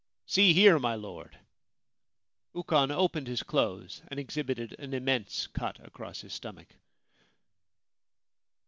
See here, my Lord !' Ukon opened his clothes and exhibited an immense cut across his stomach.